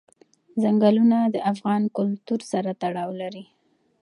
چنګلونه د افغان کلتور سره تړاو لري.